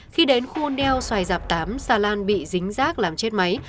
khi đến khu neo xoài rạp tám xà lan bị dính rác làm chết máy